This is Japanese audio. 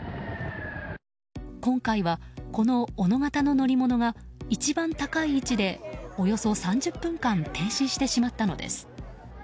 今回は、このおの型の乗り物が一番高い位置でおよそ３０分間停止してしまったのです。